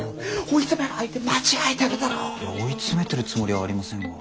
追い詰めてるつもりはありませんが。